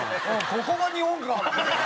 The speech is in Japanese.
「ここが日本か」。